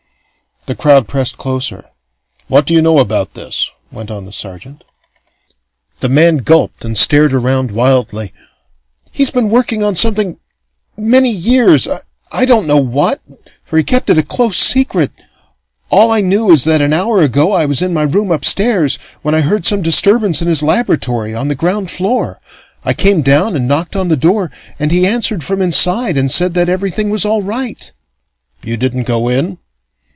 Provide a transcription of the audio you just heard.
The crowd pressed closer. "What do you know about this?" went on the sergeant. The man gulped and stared around wildly. "He's been working on something many years I don't know what, for he kept it a close secret. All I knew is that an hour ago I was in my room upstairs, when I heard some disturbance in his laboratory, on the ground floor. I came down and knocked on the door, and he answered from inside and said that everything was all right " "You didn't go in?"